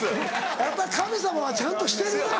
やっぱり神様はちゃんとしてるな。